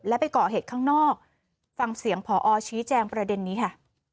และไปก่อเหตุข้างนอกฟังเสียงพอชี้แจงประเด็นนี้ค่ะ